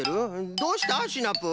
どうしたシナプー？